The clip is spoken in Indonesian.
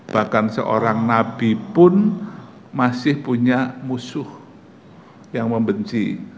bahkan seorang nabi pun masih punya musuh yang membenci